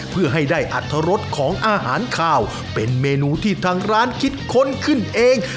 เพื่อให้ได้อัตรรสของอาหารขาวเป็นเมนูที่ทางร้านคิดค้นขึ้นเอง